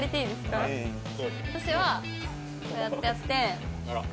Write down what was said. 私はこうやってやって。